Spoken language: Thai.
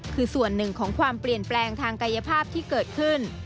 คือส่วนหนึ่งของความเปลี่ยนแปลงทางกายภาพที่เกิดขึ้น